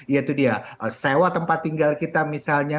ya itu dia sewa tempat tinggal kita misalnya